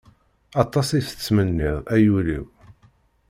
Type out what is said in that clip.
Aṭas i tettmenniḍ, ay ul-iw!